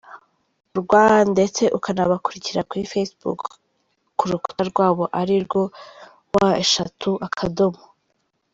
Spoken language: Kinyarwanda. rw ndetse ukanabakurikira kuri facebook ku rukuta rwabo, arirwo www.